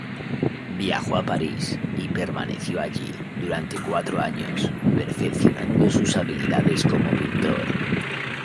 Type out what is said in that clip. Viajó a París y permaneció allí durante cuatro años, perfeccionado sus habilidades como pintor.